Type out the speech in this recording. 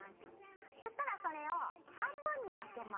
そしたらそれを半分に分けます。